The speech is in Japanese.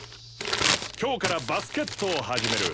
今日からバスケットを始める。